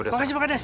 makasih pak kades